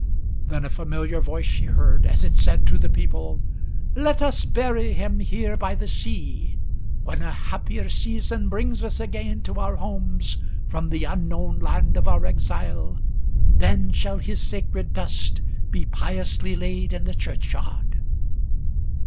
Then a familiar voice she heard, as it said to the people, "Let us bury him here by the sea. When a happier season Brings us again to our homes from the unknown land of our exile, Then shall his sacred dust be piously laid in the churchyard."